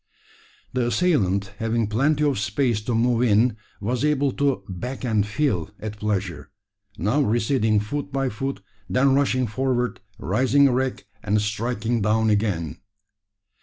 The assailant having plenty of space to move in, was able to "back and fill" at pleasure, now receding foot by foot, then rushing forward, rising erect, and striking down again.